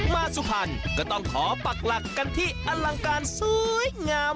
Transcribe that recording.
สุพรรณก็ต้องขอปักหลักกันที่อลังการสวยงาม